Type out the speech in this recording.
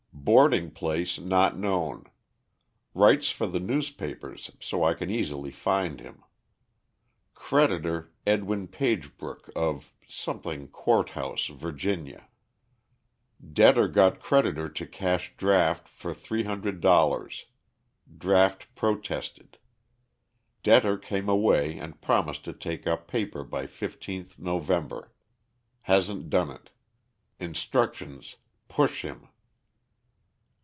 Boarding place not known. Writes for the newspapers, so I can easily find him. Creditor Edwin Pagebrook, of Court House, Virginia. Debtor got creditor to cash draft for three hundred dollars. Draft protested. Debtor came away, and promised to take up paper by fifteenth November. Hasn't done it. Instructions 'push him.'"